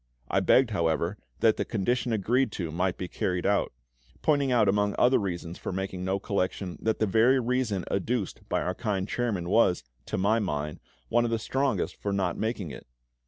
I begged, however, that the condition agreed to might be carried out; pointing out among other reasons for making no collection, that the very reason adduced by our kind chairman was, to my mind, one of the strongest for not making it.